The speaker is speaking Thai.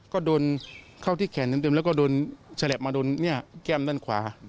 ก็โดนเข้าที่แขนเต็มแล้วก็โดนฉลับมาโดนแก้มด้านขวา